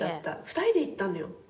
２人で行ったのよ。